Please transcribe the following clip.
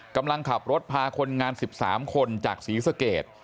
กำลังขับรถพาคนงาน๑๓คนจากศรีสเกต